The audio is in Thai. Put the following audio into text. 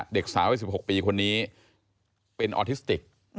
เด็กสาววัย๑๖ปีคนนี้เป็นออทิสติก